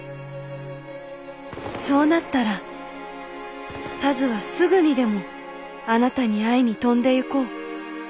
そうなったら田鶴はすぐにでもあなたに会いに飛んでゆこう。